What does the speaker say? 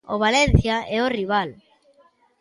O Valencia é o rival.